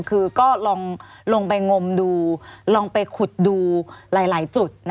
คือก็ลองลงไปงมดูลองไปขุดดูหลายจุด